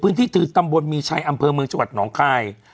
พื้นที่ตืดตำบลมีชัยอำเภอเมืองจักรน้องคลาย